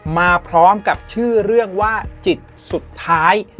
มาพร้อมกับชื่อเรื่องว่าจิตสุดท้าย